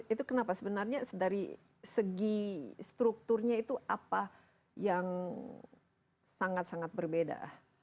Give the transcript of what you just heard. itu kenapa sebenarnya dari segi strukturnya itu apa yang sangat sangat berbeda